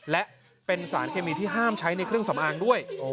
และเป็นสารเคมีที่ห้ามใช้ในเครื่องสำอางด้วย